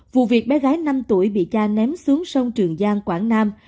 vụ việc bé gái năm tuổi bị cha ném xuống sông trường giang quảng nam